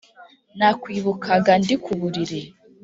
Nakwibukaga ndi ku buriri